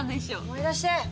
思い出して！